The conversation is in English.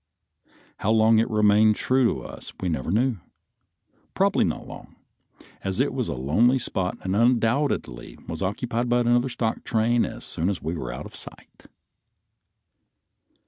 How long it remained true to us we never knew, probably not long, as it was a lonely spot and undoubtedly was occupied by another stock train as soon as we were out of sight.